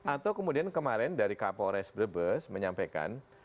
atau kemudian kemarin dari kapolres brebes menyampaikan